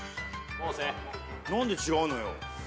何で違うのよ。